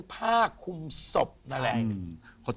ผ้าคุมศพ